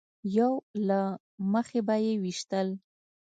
یو له مخې به یې ویشتل.